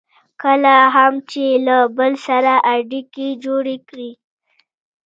کله هم چې له بل سره اړیکې جوړې کړئ.